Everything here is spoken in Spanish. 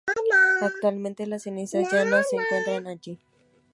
Actualmente las cenizas ya no se encuentran allí.